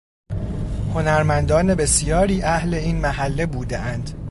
هنرمندان بسیاری اهل این محله بودهاند